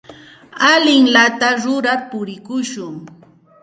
Allinllata rurar purikushun.